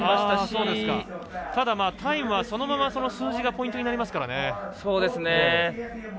ただ、タイムはそのまま数字がポイントになりますからね。